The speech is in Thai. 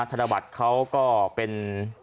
ธนบัตรเขาก็เป็น